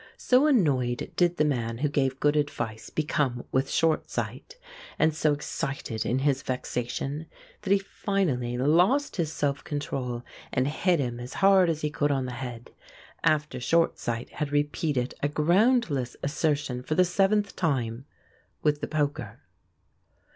So annoyed did the man who gave good advice become with Short Sight, and so excited in his vexation, that he finally lost his self control, and hit him as hard as he could on the head after Short Sight had repeated a groundless assertion for the seventh time with the poker.